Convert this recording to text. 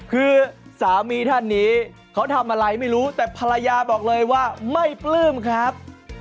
คือสามีท่านนี้เขาทำอะไรไม่รู้แต่ภรรยาบอกเลยว่าไม่ปลื้มครับ